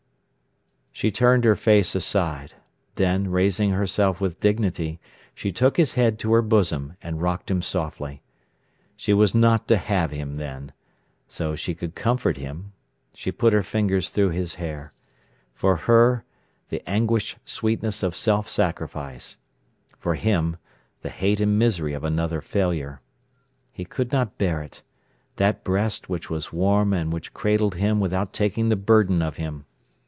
She turned her face aside; then, raising herself with dignity, she took his head to her bosom, and rocked him softly. She was not to have him, then! So she could comfort him. She put her fingers through his hair. For her, the anguished sweetness of self sacrifice. For him, the hate and misery of another failure. He could not bear it—that breast which was warm and which cradled him without taking the burden of him.